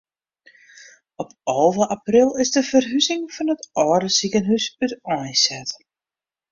Op alve april is de ferhuzing fan it âlde sikehûs úteinset.